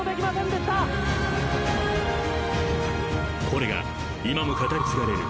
［これが今も語り継がれる］